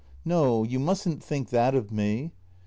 No, you mustn't think that of me.